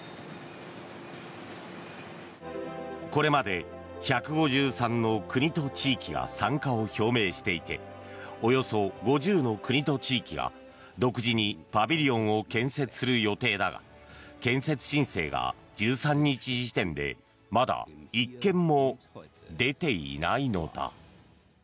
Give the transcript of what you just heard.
これまで１５３の国と地域が参加を表明していておよそ５０の国と地域が独自にパビリオンを建設する予定だが建設申請が１３日時点でまだ１件も出ていないのだ。